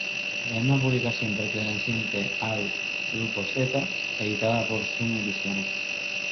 Es una publicación perteneciente al Grupo Zeta, editada por Zoom Ediciones.